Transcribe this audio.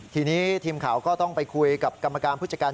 ทีนี้ทีมข่าวก็ต้องไปคุยกับกรรมการผู้จัดการ